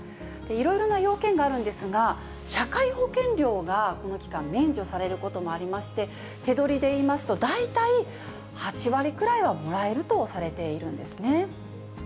いろいろな要件があるんですが、社会保険料がこの期間、免除されることもありまして、手取りでいいますと、大体８割くらいはもらえるとされているんですね。